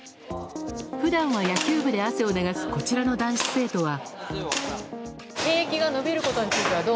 普段は野球部で汗を流すこちらの男子生徒は。